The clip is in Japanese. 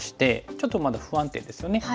ちょっとまだ不安定ですよね。